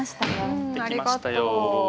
んありがとう。